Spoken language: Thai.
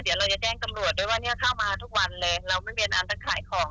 เดี๋ยวเราจะแจ้งตำรวจด้วยว่าเนี่ยเข้ามาทุกวันเลยเราไม่มีอันต้องขายของ